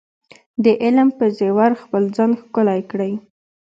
د علم په زیور خپل ځان ښکلی کړئ.